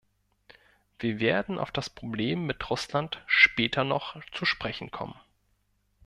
Wir werden auf das Problem mit Russland später noch zu sprechen kommen.